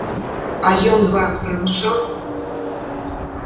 А ён вас прымушаў?